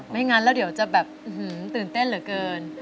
ไม่งั้นเราเดี๋ยวจะแบบฮือฮือตื่นเต้นเหลือเกิน